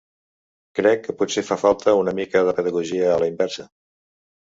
Crec que potser fa falta una mica de pedagogia a la inversa.